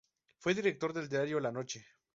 Fue director del diario "La Noche".